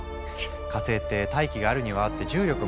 火星って大気があるにはあって重力もある。